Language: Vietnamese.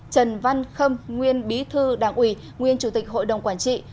trần văn khâm nguyên bí thư đảng ủy nguyên chủ tịch hội đồng quản trị